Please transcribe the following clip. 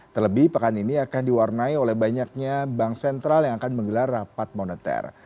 terlebih pekan ini akan diwarnai oleh banyaknya bank sentral yang akan menggelar rapat moneter